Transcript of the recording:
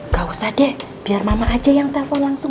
gak usah deh biar mama aja yang telpon langsung